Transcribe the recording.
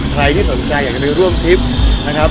ใครไม่สนใจอยากเต้อนักดูร่วมทริปนะครับ